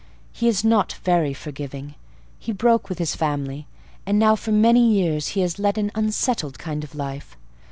He is not very forgiving: he broke with his family, and now for many years he has led an unsettled kind of life.